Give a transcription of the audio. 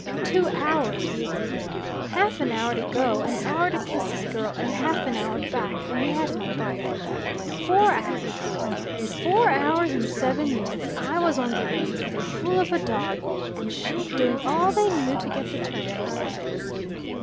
Two hours. We agreed. Half an hour to go, an hour to kiss his girl, and half an hour back and he had my bike. Four hours! Four hours and seven minutes I was on the Rings, with a fool of a dog, and sheep doing all they knew to get the turnips."